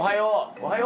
おはよう。